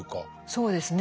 そうですね。